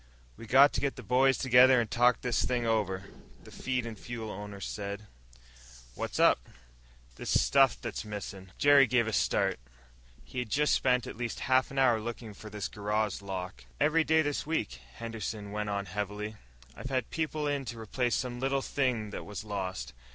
"We got to get the boys together and talk this thing over," the feed and fuel owner said. "What's up?" "This stuff that's missin'." Jerry gave a start. He had just spent at least half an hour looking for this garage lock. "Every day of this week," Henderson went on heavily, "I've had people in to replace some little thing that was lost.